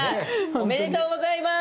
おめでとうございます。